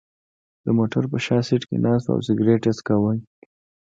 د موټر په شا سېټ کې ناست و او سګرېټ یې څکاو.